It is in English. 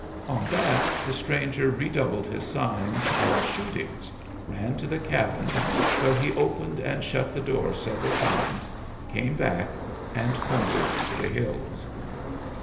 On that the stranger redoubled his signs and shootings, ran to the cabin, where he opened and shut the door several times, came back, and pointed to the hills.